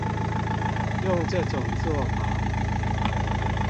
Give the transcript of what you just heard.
用這種作法